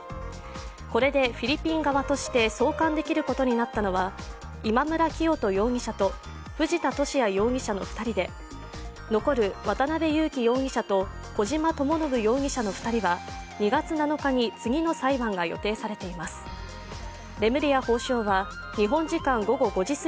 これでフィリピン側として送還できることになったのは今村磨人容疑者と藤田聖也容疑者の２人で、残る渡辺優樹容疑者と小島智信容疑者の２人は２月７日に次の裁判が予定されています。